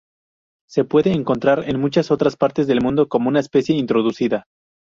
Se puede encontrar en muchas otras partes del mundo como una especie introducida.